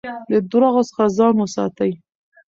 د درواغو څخه ځان وساتئ.